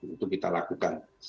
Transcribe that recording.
itu kita lakukan